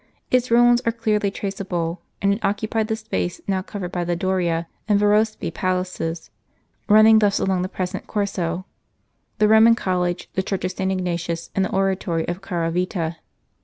Its ruins are clearly traceable; and it occupied the space now covered by the Doria and Yerospi palaces (run ning thus along the present Corso), the Roman College, the Church of St. Ignatius, and the Oratory of the Caravita.